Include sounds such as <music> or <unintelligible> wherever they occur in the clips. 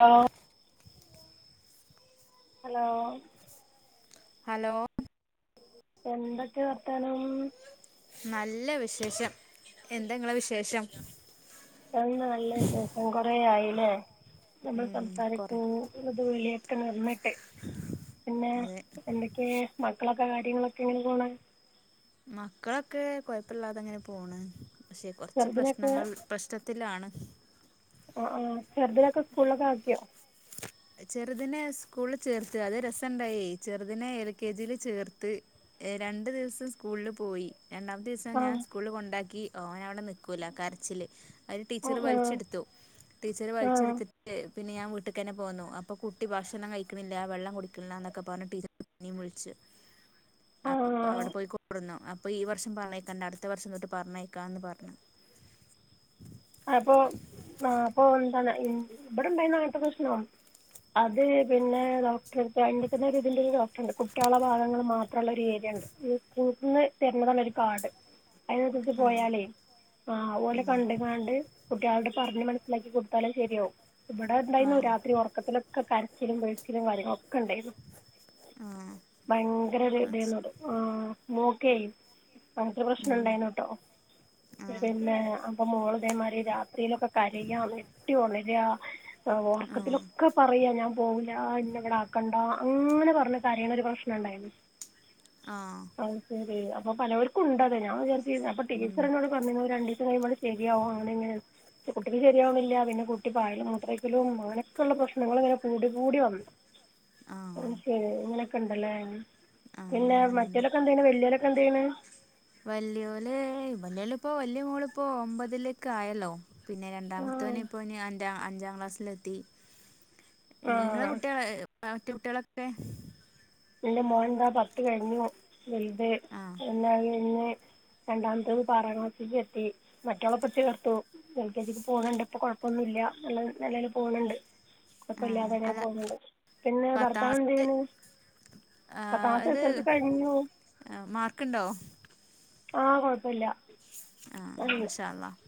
ഓ hello hello എന്തക്കെ വർത്താനം നല്ല വിശേഷം എന്താ ഇങ്ങളെ വിശേഷം നല്ല നല്ല വിശേഷം കൊ അത്രേ ആയല്ലേ നമ്മ സംസാരിക്കും ഇതു വലിയ <unintelligible> പിന്നെ എന്തൊക്കെ മക്കളൊക്കെ കാര്യങ്ങളൊക്കെ എങ്ങനെ പോണ് മക്കളൊക്കെ കൊഴപ്പില്ലാതെ അങ്ങനെ പോണ് പക്ഷെ കുറച്ച് പ്രശ്നങ്ങൾ പ്രശ്നത്തിലാണ് ആ ആ ചെറുതലൊക്കെ സ്കൂളൊക്കെ ആക്കിയോ ചെറുതിനിനെ സ്കൂളിൽ ചേർത്ത് അത് രസമുണ്ടായി ചെറുതിനെ എൽ കെ ജില് ചേർത്ത് രണ്ടു ദിവസം സ്കൂളിൽ പോയി രണ്ടാമത്തെ ദിവസം ഞാൻ സ്കൂളില് കൊണ്ടാക്കി ഓൻ അവിടെ നിൽക്കൂല കരച്ചില് അതിന് ടീച്ചർ വലിച്ചെടുത്തു ടീച്ചർ വലിച്ചെടുത്തിട്ട് പിന്നേ ഞാൻ വീട്ടുക്കു തന്നെ പോന്നു അപ്പൊ കുട്ടി ഭക്ഷണം കഴിക്കുന്നില്ല വെള്ളം കുടിക്കണില്ല എന്നൊക്കെ പറഞ്ഞ് ടീച്ചർ എന്നെയും വിളിച്ചു അപ്പൊ അവിടെ പോയി കൊണ്ട് വന്നു അപ്പൊ ഈ വർഷം പറഞ്ഞയക്കണ്ട അടുത്ത വർഷം തൊട്ട് പറഞ്ഞയക്കാന്ന് പറഞ്ഞു അപ്പോ അപ്പൊ എന്താണ് ഇവിടുണ്ടായത് അങ്ങനെത്തെ പ്രശ്നവാ അത് പിന്നെ ഡോക്ടറുടെ അടുത്ത് അല്ലെങ്കിൽ പിന്നേ ഇതിന്റെ ഒരു ഡോക്ടറുണ്ട് കുട്ടികളെ ഭാഗങ്ങൾ മാത്രുള്ള ഒരു ഏരിയാ ഉണ്ട് <unintelligible> തരുന്നപോലെ ഒരു കാർഡ് അതിനതിനസരിച്ച് പോയാലേ ആ അത് പോലെ കണ്ട് കുട്ടികളോട് പറഞ്ഞ് മനസ്സിലാക്കി കൊടുത്താലത് ശെരിയാവും ഇവിടെ ഉണ്ടാരുന്നു രാത്രി ഉറക്കത്തിൽ ഒകെ കരച്ചിലും മോക്കെ അങ്ങനത്തെ പ്രശ്നം ഉണ്ടായിരുന്നു കേട്ടോ പിന്നേ അമ്മോള അതേ മാതിരി രാത്രിയിലൊക്കെ കരയുക ഞെട്ടി ഉണരുക ആ ഓർക്കത്തിലൊക്കെ പറയാ ഞാൻ പോവൂല എന്നെ ഇവിടെ ആക്കണ്ടാ അങ്ങനെ പറഞ്ഞ കരയുന്ന ഒരു പ്രശ്നം ഇണ്ടായിരുന്നു അ ശരി അപ്പ പലവർക്കും ഉണ്ടത് ഞാൻ വിചാരി അപ്പൊ ടീച്ചർ എന്നോട് പറഞ്ഞു രണ്ടി വിടെ ശരിയാവും അങ്ങനെ ഇങ്ങനെ കുട്ടിക്ക് ശരിയാവണില്ല പിന്നെ കുട്ടി പായയില് മൂത്രമൊഴിക്കലും അങ്ങനൊക്കെയുള്ള പ്രശ്നങ്ങള് ഇങ്ങനെ കൂടി കൂടി വന്നു ഉം ശരി നിനക്ക് ണ്ടല്ലേ അനെ പിന്നെ മറ്റേതൊക്കെ എന്ത വിയെ എന്താ ചെയുന്ന വലിയോള് വലിയവള് ഇപ്പോ വല്യ മോളിപ്പോ ഒമ്പതിലൊക്കെ ആയല്ലോ പിന്നെ രണ്ടാമത്തവനെ ഇപ്പൊ ഞാൻ അഞ്ചാം ക്ലാസ്സിലെത്തി നിങ്ങളെ കുട്ടികളെ ആറ്റു കുട്ടികളൊക്കെ ന്റെ മോൻന്താ പത്ത് കഴിഞ്ഞു വലുത് എന്നക ഇന്ന് രണ്ടാമത്തഹ് പാറാ ക്ലാസിക് എത്തി മറ്റോളെപ്പ ചേർത്തു എൽ കെ ജി ക് പോന്ന്ണ്ട് ഇപ്പൊ കൊഴപ്പൊന്നും ഇല്ല നല്ല നല്ലല്ല പോണണ്ട് കൊയ്പല്ലാതെ ങ്ങനെ പോഉന്നുണ്ട്. പിന്നെ ഭർത്താവ് എന്ത് ചെയ്ന്ന്? ആ ഇത്അ മാർക്ക്ണ്ടോ? ആഹ് കൊഴപ്പല്യ ആഹ് മാഷാഅള്ളാഹ്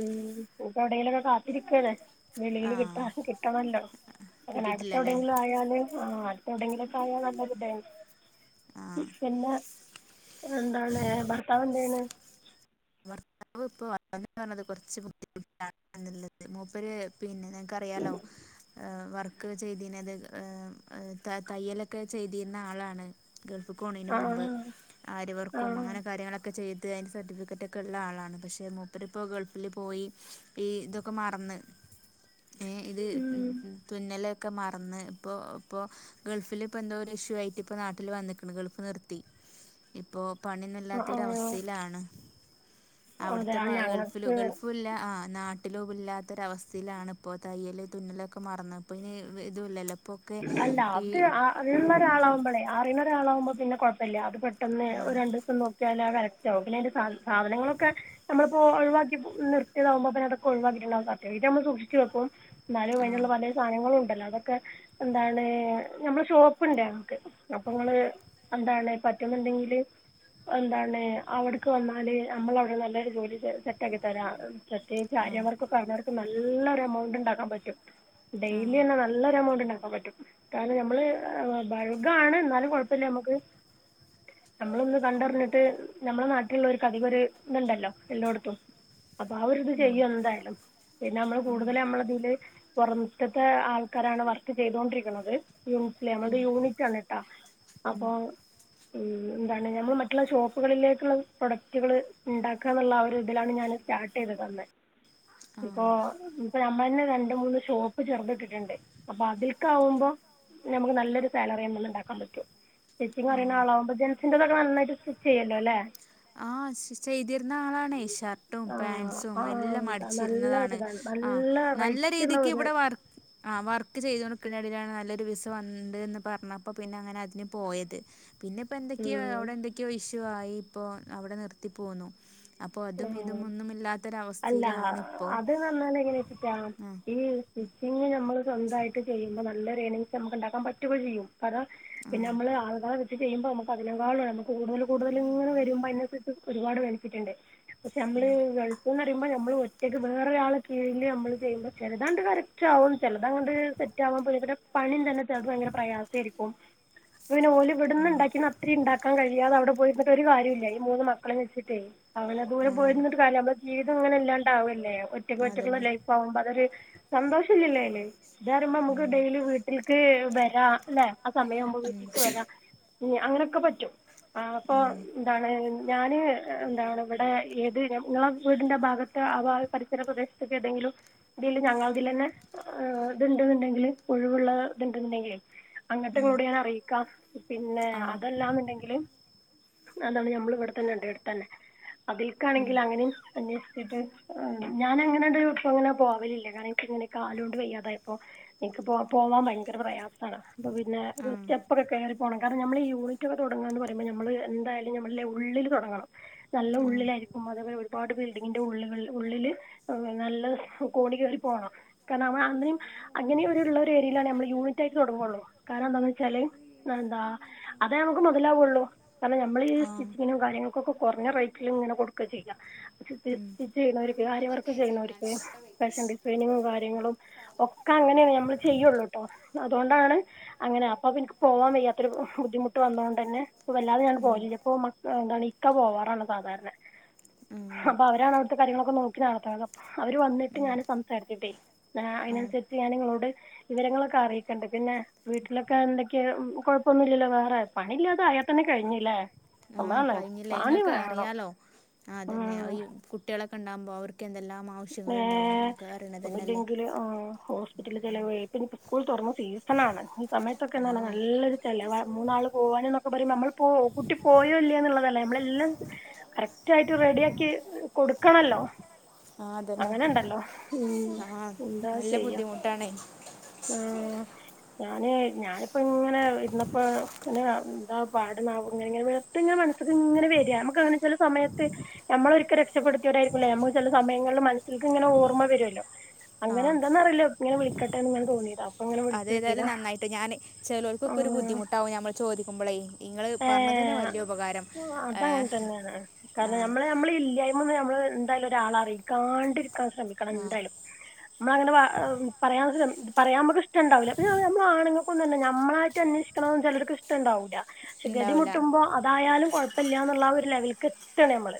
ഉം പ്പൊ എവിടേലൊക്കെ കാത്തിരിക്കാണ് വെളിയില് കിട്ടാ കിട്ടണല്ലോ അങ്ങനെ അടുത്ത എവിടെയെങ്കിലു ആയാല് ആ അടുത്ത എവിടെയെങ്കിലൊക്കെ ആയാൽ നല്ല കിട്ടലേഞ് പിന്നെ എന്താണ് ബർത്താവ് എന്തെ യ്യ്ണെ ഭർത്താവ് പ്പ <inaudible> കൊർച്ച് ബുദ്ധിമുട്ടാണ് <inaudible> ള്ളത് മൂപര് പിന്നെ ക്കറിയാലോ ഏ ഹ് വർക്ക് ചെയ്തിരുന്നത് തയ്യലൊക്കെ ചെയ്തിരുന്ന ആളാണ് ഗൾഫ്ക്ക്ണിന് മുമ്പ് അര്വർക്കും അങ്ങനെ കാര്യങ്ങളൊക്കെ ചെയ്ത് അതി സർട്ടിിക്കറ്റ് ക്കെ ഉള്ള ആളാണ് പക്ഷെ മൂപ്പരിപ്പോൾ ഗൾപ്പിൽ പോയി ഇതൊക്കെ മറന്ന് ഏ ഇത് തുന്നല ഒക്കെ മറന്ന് ഇപ്പോൾ ഇപ്പോൾ ഗൾഫിൽ ഇപ്പോൾ എന്തോ ഒരു ഇഷ്യൂ ആയിട്ട് ഇപ്പോൾ നാട്ടിൽ വന്നിക്കണ് ഗൾഫ് നിർത്തി ഇപ്പോൾ പണിയന്നില്ലാത്തരവസ്ഥയിലാണ് അവിടുത്തെ ഗൾഫ ഗൾഫും ഇല്ല ആ നാട്ട വട്ടിലോ ഇല്ലാത്തൊരവസ്ഥയിലാണ് ഇപ്പോൊ തയ്യല് തുന്നലൊക്കെ മറന്നത് ഇപ്പോ ഇനി ഇത ഇല്ലല്ലോ അല്ല അത് എള്ള ആളാവുമ്പോളെ ആരെ ആളാകുമ്പോ പിന്നെഴപ്പമില്ല അത് പെട്ടന്ന് ഒരു രണ്ടു ദസം നോിയാല ആ സ്റ്റോക്കിതിന്റെ സാ സാധനങ്ങളൊക്കെ നമ്മളിപ്പോൊ ഒഴിവാക്കി നിർയതകുമ്പോ പിന്നെ അതൊക്കെ ഒഴിവാിട്ടുണ്ടാവ സർട്ടിഫിറ്റ് നമ്മൾ സൂക്ഷിച്ചു വെക്കും എന്നാലും അതിനുള്ള പല സാധനങ്ങളും ഉണ്ടല്ലോ അക്കെ എന്താണ് ഞമ്മള് ഷോപ്പ ഉണ്ട നമക്ക് അപ്പ നമ്മൾ എന്താണ് പറ്റുന്നുണ്ടെങ്കില് എന്താണ് അവിടക്ക് വന്നാല് നമ്മൾ അവിടെ നല്ലൊരു ജോലി സെറ്റ ആക്കി തരാം പ്രത്യേിച്ച് ആര് അവർക്ക നല്ലൊരു എമൗണ്ട് ഉണ്ടാക്കാൻ പറ്റും ഡെയിലിതന്നെ നല്ലൊരു എമൗണ്ട് ഉണ്ടാക്കും. പറ്റും കാരണം നമ്മള് ബൾഗാണ് എന്നാലും കുഴപ്പില്ല നമ്മുക്ക് നമ്മളൊന്ന് കണ്ടറിഞ്ഞിട്ട് നമ്മളെ നാട്ടിലുള്ളവർക്ക് അധികം ഒരു ഇതുണ്ടല്ലോ എല്ലായിടത്തും. അപ്പോ ആ ഒരു ഇത് ചെയ്യും എന്തായാലും പിന്നെ നമ്മള് കൂടുതല നമ്മളതില്. പുറമ് ത്തെത്തെ ആൾക്കാരാണ് വർക്ക്‌ ക്ക് ചെയ്തൊണ്ടിരിക്കണത്. യൂസിലെ നമ്മളുടെ യൂണിറ്റ് ആണുട്ടോ അപ്പോ ഉം എന്താണ് ഞമ്മൾ മറ്റുള്ള ഷോപ്പുകളിലേക്കുള്ള പ്രൊഡക്റ്റുകൾ ഉണ്ടാക്കാ എന്നുള്ള ഒരു ഇതിലാണ് ഞാൻ സ്റ്റാർട്ട് ചെയ്ത് തന്നേ. ഇപ്പോ ഇപ്പോ ഞമ്മ അന്ന രണ്ട് മൂന്ന് ഷോപ്പ് ചെറുത് ഇട്ടിട്ടുണ്ട്. അപ്പോ അതിൽക്ക് ആകുമ്പോ നമുക്ക് നല്ലൊരു സാലറി അതുമെന്നു ഉണ്ടാക്കാൻ പറ്റും. സ്റ്റിച്ചിങ് അറിയുന്ന ആളാവുമ്പോ. <unintelligible> എന്റതൊക്കെ നന്നായിട്ട് സ്റ്റിച്ച് ചെയ്യു ല്ലോ അല്ലേ? ആ ചെയ്തിരുന്ന ആളാണ്ഈ ഷർട്ടും പാൻറ്സും എല്ലാം അടിച്ചിരുന്നതാണ് ആ നല്ല രീതിക്ക് ഇവിടെ വർക്ക് ആ വർക്ക് ചെയ്ത കൊണ്ട് അതിനിടെയിലാണ് നല്ലൊരു വിസ വന്നുണ്ട്എന്ന് പറഞ്ഞപ്പോ പിന്നെ അങ്ങനെ അതിന് പോയത്. പിന്നെയിപ്പോ എന്തൊക്കെയോ അവിടെന്തൊക്കെയോ ഇഷ് ഷ്യു ആയി ഇപ്പോ അവിടെ നിർത്തിപ്പോന്നു. അപ്പോ അതും ഇതും ഒന്നും ഇല്ലാത്ത ഒര അല്ല അത് ന്ന് പരഞാൽഎങ്ങനെ വെച്ചിട്ടാ ഈ സ്റ്റിച്ചിങ് നമ്മള് സ്വന്തമായിട്ട് ചെയുമ്പോ നല്ല ഒരു ഏണിങ്സ് നമുക്ക് ഉണ്ടാക്കാൻ പറ്റുഒ ക്കെ ചെയ്യും. അതാ പിന്നെ നമ്മള് ആൾക്കാ ഇത് ചെയ്യുമ്പോ നമുക്ക് അതിനെക്കാളും നമുക്ക് കൂടുതല് കൂടുതല് ഇങ്ങനെ വരുമ്പോ അതിനുസരിച്ച് ഒരുപാട് ബെനിഫിറ്റ് ഉണ്ട്. നമ്മള് ഗൾഫ് പറയുമ്പോ ഞമ്മൾ ഒറ്റക്ക് വേറൊരാളുടെ കീഴിൽ നമ്മള് ചെയ്യുമ്പോ, ചിലതാണ്ട് കറക്റ്റ് ആകും ചെലതങ്ങട് സെറ്റ് ആവാൻ പണി തന്നെ ചിലത് ഭയങ്കര പ്രയാസമായിരിക്കും. <unintelligible> ഓല് ഇവിടുന്ന് ഉണ്ടാക്കി അത്ര ഉണ്ടാക്കൻ കഴിയു. അയാള് അവിടെ പോയിഇരുന്നിട്ട് ഒരു കാര്യല്ല ഈ മൂന്ന് മക്കളെ വെച്ചിട്ടേ. അങ്ങനെ ദൂരം പോയിരുന്നിട്ട് കാര്യല്ലാ, മ്മള് ജീവിതം ഇങ്ങനെ ഇല്ലാന്ധാവല്ലെ ഒറ്റക്ക് ഒറ്റക്കുള്ള ലൈഫ് ആകുമ്പോ അതൊരു സന്തോഷ ഇല്ലല്ലോ അയില്. ഇതാ പറയുമ്പം നമ്മുക്ക് ഡെയിലി വീട്ടില്ക്ക് വരാ ല്ലേ? ആ സമയം ആകുമ്പോ വീട്ടിക്ക് വരാം. അങ്ങനെയൊക്കെ പറ്റും. ആ അപ്പോ എന്താണ് ഞാന്... എന്താണ് ഇവിടെ ഏത് നിങ്ങളെ വീടിന്റെ ഭാഗത്ത് ആ പരിസര പ്രദേശത്തൊക്കെ ഏതെങ്കിലും ഇൽ ഞങ്ങൾ അതിൽ തന്നെ വ അവ, ഒഴിവുള്ള ഇത്ണ്ടെന്നുണ്ടെങ്കിലിൽ അങ്ങട്ട് ഇങ്ങളോട് ഞാൻ അറിയിക്കാം, പിന്നെ അതെല്ലാന്നുണ്ടെങ്കില് അതാണ് ഞമ്മൾ ഇവിടെ തന്നെ ഉണ്ട് അടുത്ത ന്നെ. അതിൽക്കാണെങ്കിൽ അങ്ങനിം അന്വേഷിച്ചിട്ട് ഞാനങ്നൊരു ഇപ്പൊ അങ്ങനെ പോവലില്ല കാരണം, ഇൻക് ഇങ്ങനെ കാലുകൊണ്ട് വയ്യാതായപ്പോ എനിക്ക് പോവാൻ ഭയങ്കര പ്രയാസാണ്. അപ്പൊ പിന്നെ, ഒരു സ്റ്റെപ്പൊക്കെ കയറി പോണം കാരണം നമ്മൾഈ യൂണിറ്റൊക്കെ തുടങ്ങുക എന്ന് പറയുമ്പോൾ നമ്മള് എന്തായാലും നമ്മുടെ ഉള്ളിൽ തുടങ്ങണം നല്ല ഉള്ളിലായിരിക്കും <unintelligible> ഒരുബിൽഡിങ്ങിന്റെ ഉള്ളൾ ഉള്ളിൽ നല്ല കോണി കയറി പോണം. കാരണം അങ്ങനെയും അങ്ങനെള്ള ഏരിയയിലാണ് നമ്മള് യൂണിറ്റ് ആയിട്ട് തുടങ്ങുള്ളൂ കാരണം എന്താന്ന് വെച്ചാൽ, എന്താ അതേ നമുക്ക് മുതലാവുള്ളൂ കാരണം നമ്മൾ ഈ സ്റ്റിച്ചിങ്ങിനും കാര്യങ്ങൾക്കൊക്കെ കൊറ <unintelligible> റേറ്റിൽ ഇങ്ങെനെ കൊടുക്കചെയ്യാ. സ്റ്റിച്ച് ചെയ്യുന്നവർക്ക്, ഹാര്യവർക്ക് ചെയ്യുന്നവർക്ക്, ഫാഷൻ ഡിസൈനിങ്ങും കാര്യങ്ങളും ഒക്കെ അങ്ങനെയാണ് നമ്മൾ ചെയ്യുള്ളൂ ട്ടോ. അതുകൊണ്ടാണ് അങ്ങനെ, അപ്പൊ എനിക്ക് പോവാൻ വയ്യാത്തൊരു ബുദ്ധിമുട്ട് വന്നുകൊണ്ട് തന്നെ വല്ലാതെ ഞാനങ്ങട്ട് പോവാറില്ല ഇപ്പൊ എന്താണ് ഇക്ക പോവാറാണ് സാധാരണ. അപ്പൊ അവരാണ് അവിടുത്തെ കാര്യങ്ങളൊക്കെ നോക്കി നടത്തുന്നത് അപ്പൊ അവര് വന്നിട്ട് ഞാൻ സംസാരിച്ചിട്ടേ അതിനനുസരിച്ച് ഞാൻ നിങ്ങളോട് വിവരങ്ങളൊക്കെ അറിയിക്കണ്ട് പിന്നെ വീട്ടിലൊക്കെ എന്തൊക്കെയ കൊഴപ്പം ഒന്നും ഇല്ലല്ലോ വേറെ പണില്ലാതെ ആയാൽ തന്നെ കഴിഞ്ഞില്ലേ? ആഹ് കഴിഞ്ഞില്ലേ നിങ്ങക്ക് അറിയാലോ ആഹ്. തന്നെയ ഈ കുട്ടികള ക്കണ്ടാമ്പോ അവർ ക്കെന്തെല്ലാം ആവശ്യങ്ങൾ ഉണ്ടാവും നക്ക അറിയണ തന്നെ അല്ലേ? പിറ്റല് ചിലവെ സ്കൂൾ തുറന്നും. സീസൺ ആണ് ഈ സമയത്തൊക്കെ എന്ത നല്ലൊരു ചെലവാ മൂന്നാള് പോവാന് എന്നൊക്കെ പറയുമ്പോ നമ്മൾ പോ കൂട്ടി പോയോ ഇല്ലയന്നുള്ളതല്ലേ നമ്മളെല്ലാം കറക്റ്റ് ആയിട്ട് റെഡി ആക്കി കൊടുക്കണല്ലോ. അങ്ങനെണ്ടല്ലോ ഉം എന്താ ചെയ്യാ ആഹ്. ഞാന് ഞാനിപ്പ ഇങ്ങനെ ഇര്ന്നപ്പോ എന്താ പാടുന്നാവും ങ്ങനെ വെർതെ മനസ്സ ഇങ്ങനെ വരിക നമക്ക് അങ്ങനെ ചില സമയത്ത് നമ്മൊരിക്കെ രക്ഷപ്പെടുത്തിവരായിരിക്കല്ലേ നമ്മ ചെല സമയങ്ങളിൽ മനസ്സൽക്ക് ഇങ്ങനെ ഓർമ്മ വരുവല്ലോ. അങ്ങനെ എന്താന്ന അറിയില്ലോ ഇങ്ങനെ വിള കട്ടണ <unintelligible> അത ഏതായാലും നന്നായിട്ട് ഞാൻ ചേലോൽക്ക് ഒക്കെ ഒരു ബുദ്ധിമുട്ടാവും ഞമ്മൾ ചോദി കുമ്പളെ. ങ്ങള് പറഞ്ഞതെന്നെ വല്യ ഉപകാരം ഏ ആ നമ്മളൊന്ന് നമ്മള് ന്തായാലും ഒരാളെ അറിയിക്കാണ്ട് ക്കാൻ ശ്രമിക്കണം ന്തായാലും നമ്മളങ്ങനെ പ പറയാ പറയാൻ നമുക്ക് ഇഷ്ടണ്ടാവൂല്ല പിന്നെ നമ്മള് ആണ്ങ്ങക്കും തെന്നെ നമ്മളായിട്ട് അന്വേഷിക്കണതൊന്നും ചെലോല്ക്ക് ഇഷ്ടണ്ടാവൂല്ല പക്ഷെ ഗതി മുട്ടുമ്പോ അതായാലും കൊഴപ്പമില്ലാന്നുള്ളാരു ലെവൽ ക്കെത്താണ് മ്മള്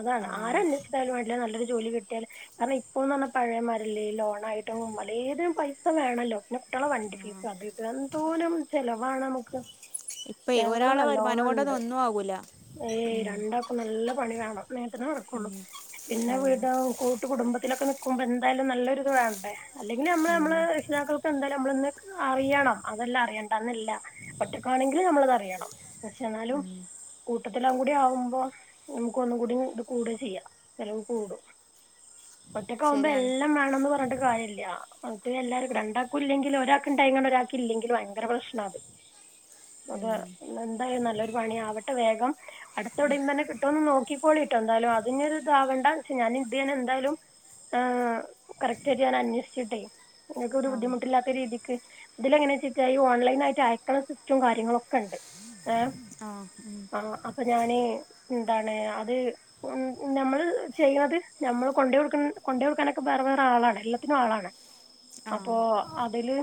അതാണ് ആര് അന്വേഷിച്ചാലും വാണ്ടില്ല നല്ലൊരു ജോലി കിട്ട്യാല് കാരണം ഇപ്പോന്ന് പറഞ്ഞാ പഴേ മാതിരി അല്ല ലോണായിട്ടും പലേതിനും പൈസ വേണല്ലോ പിന്നെ കുട്ട്യാളെ വണ്ടി ഫീസ് അത് ഇത് എന്തോരം ചെലവാണ് ഞമ്മക്ക് <inaudible> ചെലവുകള് നല്ലോണം ണ്ട് ഏയ് രണ്ടാക്കും നല്ല പണി വേണം <unintelligible> തെന്നെ നടക്കൊള്ളൂ പിന്നെ വീട് കൂട്ടു കുടുംബ തിലൊക്കെ നിക്കുമ്പോ എന്തായാലും നല്ലൊരുത് വേണ്ടേ അല്ലെങ്കില് നമ്മള് നമ്മളെ രക്ഷിതാക്കക്ക് എന്തായാലും നമ്മളൊന്ന് അറിയണം അതല്ലാ അറിയണ്ടാ ന്നല്ല ഒറ്റക്കാണെങ്കിലും നമ്മളത്അറിയ യണം പക്ഷെ ന്നാലും കൂട്ടത്തിലുങ്ങൂടി ആവുമ്പോ നമുക്ക് ഒന്നും കൂടി ഇത് കൂടാ ചെയ്യാ ചെലവ് കൂടും ഒറ്റക്കാവുമ്പോ എല്ലാം വേണന്ന് പറഞ്ഞിട്ട് കാര്യല്ല അത് പിന്നെ എല്ലാരും രണ്ടാക്കും ഇല്ലെങ്കിലും ഒരാക്ക്ണ്ടായിങ്ങാണ്ട് ഒരാക്ക് ഇല്ലെങ്കില് ഭയങ്കര പ്രശ്നാ അത് അതെ ഇന്ന് എന്തായാലും നല്ല ഒ രു പണി ആവട്ടെ വേഗം അടുത്ത് എവിടെയെലും തന്നെ കിട്ടോന്ന് നോക്കികോളിൻ കേട്ടോ എന്തായാലും അതിന് ഒരു ഇതാവണ്ട പക്ഷേ ഞാന് ഇതുതന്നെ എന്തായാലും കറക്റ്റ് ആയിട്ട് ഞാൻ അന്വേഷിച്ചിട്ടേ നിങ്ങക്ക് ഒരു ബുദ്ധിമുട്ടില്ലാത്തരീതി ക്ക് ഇതില് എങ്ങനാവെച്ചിട്ടാ ഓൺലൈനായിട്ട് അയക്കണ സിസ്റ്റവും കാര്യങ്ങളും ഒക്കെ ഉണ്ട് ഏ ആഹ് അപ്പൊ ഞാന് എന്താണ് അത് മം നമ്മള് ചെയ്യണ ത് നമ്മള് കൊണ്ടയ് കൊടുക്ക കൊണ്ട്‌ കൊടുക്കാനൊക്കെ വേറെ വേറെ ആളാണ് എല്ലാത്തിനും ആളാണ് അപ്പൊ അതില്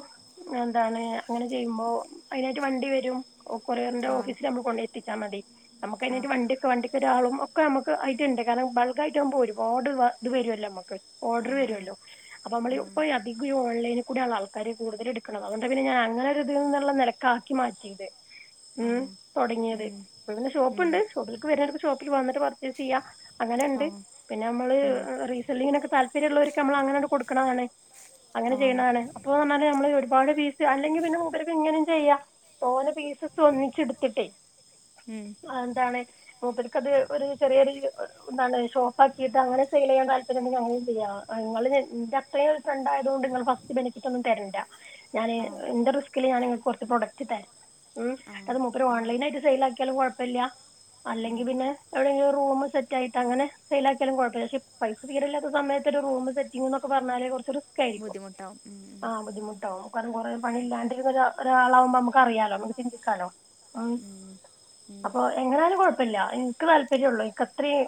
എന്താണ് അങ്ങനെ ചെയ്യുമ്പോ അതിനായിട്ട് വണ്ടി വരും കൊറിയറിന്റെ ഓഫീസില് നമ്മള് കൊണ്ടെത്തി ച്ചാ മതി നമുക്ക് അതിനായിട്ട് വണ്ടിയൊക്കെ വണ്ടിക്ക് ഒരാളും ഒ ഒക്കെ നമുക്കായിട്ട് ഉണ്ട് കാരണം ബൾക്ക് ആയിട്ട് ആകുമ്പോ ഒരുപാട് ഇത് വരുമല്ലോ നമുക്ക് ഓർഡറ് വരുവല്ലോ അപ്പൊ നമ്മള് ഇപ്പോ അധികവും ഈ ഓർ ഓൺലൈനിൽ കൂടെആണല്ലോ ആൾക്കാര് കൂടുതലും എടുക്കണ ത് അതു കൊണ്ട് പിന്നെ ഞാൻ അങ്ങനെ ഒരു ഇതിൽ നിന്നുള്ള നെലക്കാക്കി മാറ്റിയത് ഉം തൊടങ്ങിയത് ഇപ്പ പിന്നെ ഷോപ്പുണ്ട് ഷോപ്പിലേക്ക് വരാനൊക്കെ ഷോപ്പ് ല് വന്നിട്ട് പർച്ചേസ് ചെയ്യാം അങ്ങനെയുണ്ട് പിന്നെ നമ്മള് റീസന്ിങ്ങിനൊക്കെ പിന്നെള്ളവർക്ക് നമ്മ അങ്ങനോട് കൊടുക്കണതണെ അങ്ങനെ ചെയ്യുന്നതാണ് അപ്പൊ പറഞ്ഞാല് നമ്മള് ഇവി ഒരേപീസ് അല്ലെങ്കിൽപിന്നെ മുപ്പർക്ക് ഇങ്ങനെ ചെയ്യ ഓനെ പീസ് സ് ഒന്നിച്ചെടുത്തിട്ടേ അതെന്താണ് മൂപ്പർക്കത് ഒരു ചെറിയൊരു എന്താണ് ഷോപ്പ്ക്കിട്ട് അങ്ങനെ സെയിൽ ചെയ്യാൻ താല്പര്യം എെ ഞങ്ങ ചെയ്യാം ങ്ങങ്ങള് അത്രയും ഒരു ഫ്രണ്ട് ആയതുകൊണ്ട് നിങ്ങള്ഫസ്റ്റ് ബെനിഫിറ്റ് ഒന്നും തരണ്ട ഞാന് എന്റെ റിസ് കില്ഞൻ നിങ്ങൾക്ക് കുറച്ച് പ്രോഡക്റ്റ് തരാം ഉം് അത് മൂപ്പര് ഓൺലൈൻ ആയിട്ട് സെയിൽ ആക്കിയാലും കുഴപ്പമില്ല അല്ലെങ്കിൽ പിന്നെ എവിടെയെങ്കിലും റൂം സെറ്റിക്കിയിട്ട് അങ്ങനെ സെയി ആാക്കിയാലും കുഴപ്പമില്ല പക്ഷെ പൈസ തീരമല്ലാത്ത സമയത്ത് ഒരു റൂം സെറ്റിങ്ങ്എന്നൊക്കെ പറഞ്ഞല് കുറച്ച ക്കരിക്കും ആ ബുദ്ധിമുട്ടോ കുറെ പണി ഇല്ലാെണ്ടിരുന്ന ഒരാളാവകുമോ നമു അറിയാലോ ചിന്തിക്കാനോ ഉ അപ്പൊ എങ്ങനാലും കുഴപ്പില്ല എനിക്ക് താല്പര്യംള്ളൂ എനക്ക്ത്രയും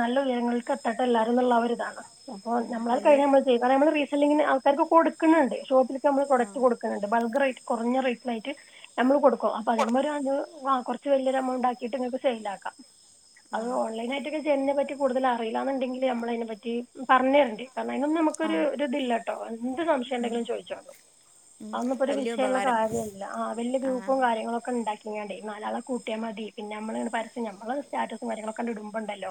നല്ല വിയരങ്ങൾക്ക് എത്തട്ടെ എല്ലാരരുംന്നുള്ള അവർ ഇതാണ് അപ്പ നമ്മൾർ കഴിഞ്ഞ നമ്മ ചെയ്താ നമ്മ അല്ലെങ്കിൽ ആൾക്കാർക്ക് കൊടുക്കുന്നുണ്ട് ഷോപ്പിലൊക്കെ നമ്മള് പ്രൊഡക്ട് കൊടുക്കുന്നുണ്ട് ബൾഗറായിട്ട് റേറ്റ് കുറഞ്ഞ റേറ്റിലായിട്ട് നമ്മൾ കൊടുക്കും അപ്പൊ അതിിയ്പ ഒരു അ കുറച്ച് വല്ിയൊരു എമൗണ്ട് ആക്കിയിട്ട്ക്ക് സെയിൽ ആക്കാം അത് ഓൺലൈന ആയിട്ട്ക്കെ ചെയതിനെ പറ്റി കൂടുതൽ അറിയില്ലുണ്ടെങ്കിൽ നമ്മൾതിനെ പറ്റി പറഞ്ഞ തരുണ്ട് കാരണം ഉം നമുക്കൊരുതില്ല ടോൾ എന്ത് സംശയം ഉണ്ടെങ്കിലും ചോദിച്ചോ അങ്ങ് ഇപ്പോഒരു വിഷയെള്ള കാര്യല്ല രൂപവും കാര്യങ്ങളൊക്ക ഉണ്ടാക്കിങ്ങ നാലാളെ കൂട്ടിയാൽ മതി പിന്നെ നമ്മള് പരസ്യം ഞമ്മള സ്റ്റാറ്റസും കാര്യങ്ങളൊക്കെ ഇടുമ്പോണ്ടല്ലോ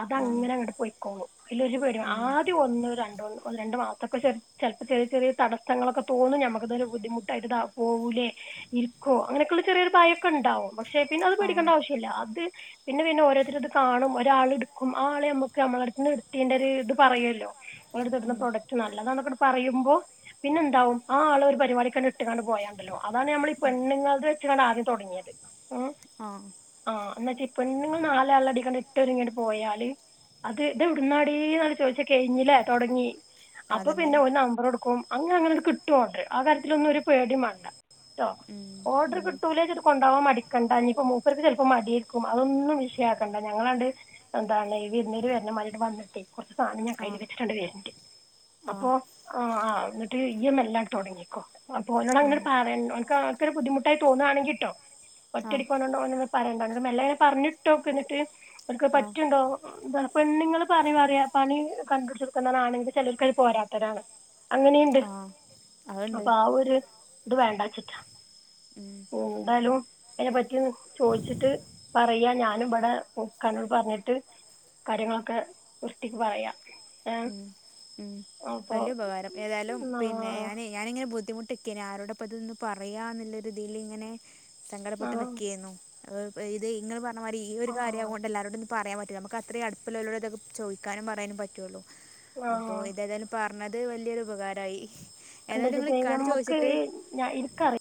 അത് അങ്ങനെ അങ്ങ് പോയിക്കോളും അതിലൊരു പേടി ആദ്യം ഒന്ന് രണ്ട് രണ്ട്മാസക്കെ ചെലപ്പോ ചെറിയ ചെറിയ തടസ്സങ്ങളൊക്കെ തോന്നും ഞമ്മക്ക് ഇതൊരു ബുദ്ധിമുട്ടായിട്ട് പോവൂലേ ഇരിക്കോ അങ്ങനൊക്കുള്ള ചെറിയരു ഭയമൊക്കെ ഉണ്ടാവും പക്ഷെ പിന്നെ അത് പേടിക്കേണ്ട ആവശ്യമില്ല അത് പിന്നെ പിന്നെ ഓരോരുത്തർ ഇത് കാണും ഒരാൾ എടുക്കും ആ ആളെ നമ്മുക്ക് നമ്മളുടെ അടുന്ന് എടുത്തി ഒരു ഇത് പറയല്ലോ ഇങ്ങള് ഇടുന്ന പ്രോഡക്റ്റ് നല്ല നല്ലതാന്ന് പറയ്പോ പിന്നെന്താവും ആളെ ഒരു പരിപാടിക്ക ഇട്ട്ണ്ട് പോയണ്ടല്ലോ അതാണ് നമ്മളെ പെണ്ണുങ്ങുടെ വെച്ചിട്ടാണ് ആദ്യം തെടങ്ങിയത് ആ എന്നച്ച ഇപ്പൊ പെണ്ണുങ്ങൾ നാലാള് അടിക്കണ്ട് ഇങ്ങിട്ട് പോയാല് അത് ഇത് എവിടുന്നാടി എന്ന ചോദിച്ചാൽ കഴിഞ്ഞില്ലേ തെടങ്ങി അപ്പൊ പിന്നെ ഒരു നമ്പർ കൊടുക്കും അങ്ങ് അങ്ങനെ കിട്ടോണ്ട ആ കാര്യത്തില ഒന്നും ഒരു പേടിയും വേണ്ട ട്ടോഓർഡർ കിട്ട തുലെജിത് കൊണ്ടാവാ മടിക്കണ്ടനിയിപ്പ മൂപ്പർക്ക് ചിലപ്പോ മടിയെരിക്കും അതൊന്നും വിഷയാക്കണ്ട ഞങ്ങളാണ്ട് എന്താണ്ഈ വിരുന്നര് വരുന്ന മട വന്നിട്ടെ കുറ ആ ഞാൻ കയ്യിൽ വെച്ചിട്ടുണ്ട് വരിണ്ട് അപ്പോ ആ ആ എന്നിട്ട് ഇയ്യും എല്ലാം തൊടങ്ങിക്കോ. അപ്പൊ ഓനോട് അങ്ങനെ പറയ ക്കാൾക്കരു ബുദ്ധിമുട്ടായി തോന്നുവാണെങ്കിട്ടോ. ഒറ്റഅടിക്കൊനൊണ്ടോ ഓനെന്നു. പറയണ്ട, ന്നിട് മെല്ലെ പറഞ്ഞിട്ടോ എന്നിട്ട് എനക്ക് പറ്റുയുണ്ടാേ പെണ്ണുങ്ങള് പറയുംഅറിയാ പണി കണ്ടുടിച്ചെടുക്കുന്നവനാണെങ്കിൽ ചെലർക്കതു പോരാത്തതാണ്. അങ്ങനെയുണ്ട് അപ്പ ആ ഒരു ഇത് വേണ്ട ചോ ഉം എന്താലു അതിനെ പറ്റി ചോയിച്ചിട്ട് പറയ്യാ. ഞാനും ബിടെ ഇക്കാനോട് പറഞ്ഞിട്ട് കാര്യങ്ങളൊക്കെ വൃത്തിക്ക് പറയാ ഏ. വലുപകാരം ഏതായാലും പിന്നെ ഞാനേ ഞാനിങ്ങനെ ബുദ്ധിമുട്ട് ക്ക ആരോടാപ്പിതൊന്ന് പറയാ എന്നുള്ള രീതിയിലിങ്ങനെ സങ്കടപ്പെട്ട് നിക്കേന്നു. പ ഇത് ഇങ്ങള് പറ മാരി ഈ ഒരു കാര്യംആവോണ്ടെല്ലാരോടും പറയാൻ പറ്റൂല്ല നമുക്കത്രേ അടുപ്പുള്ളോലടുതൊക്കേ ചോയ്ക്കാനും പറയാനും പറ്റുവൊള്ളൂ. അപ്പോ ഇതേതാലും പറഞ്ഞത് വല്ല്യൊരുപകാരായി. എന്താച്ചിട്ട് നമ്മുക്കീ ഞ ഇൻക്കറിയാം.